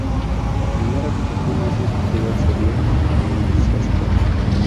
La primera actuación en un festival se dio en el Sasquatch!